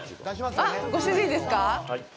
あっ、ご主人ですか？